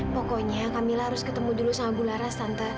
pokoknya kamila harus ketemu dulu sama bu laras tante